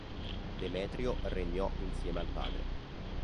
Demetrio regnò insieme al padre.